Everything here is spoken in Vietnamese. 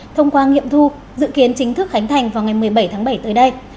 thông qua nghiệm thu dự kiến chính thức khánh thành vào ngày một mươi bảy tháng bảy tới đây